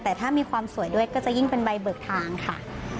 แต่ถ้ามีความสวยด้วยก็จะยิ่งเป็นใบเบิกทางค่ะ